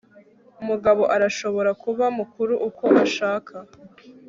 umugabo arashobora kuba mukuru uko ashaka